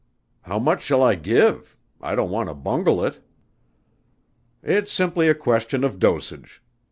"How much shall I give? I don't want to bungle it." "It's simply a question of dosage.